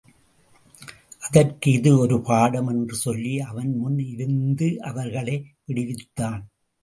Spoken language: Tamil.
அதற்கு இது ஒரு பாடம் என்று சொல்லி அவன் முன் இருந்து அவர்களை விடுவித்தான்.